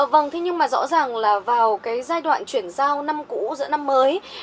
vâng thế nhưng mà rõ ràng là vào cái giai đoạn chuyển giao năm cũ giữa năm mới